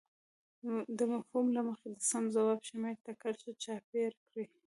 د مفهوم له مخې د سم ځواب شمیرې ته کرښه چاپېر کړئ.